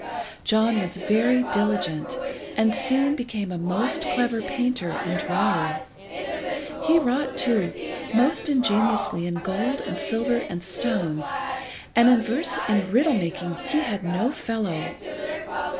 John was very diligent, and soon became a most clever painter and drawer. He wrought, too, most ingeniously in gold and silver and stones, and in verse and riddle making he had no fellow.